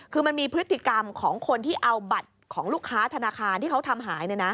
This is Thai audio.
คือมันมีพฤติกรรมของคนที่เอาบัตรของลูกค้าธนาคารที่เขาทำหาย